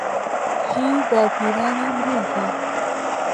هی باپیرانی مرۆڤە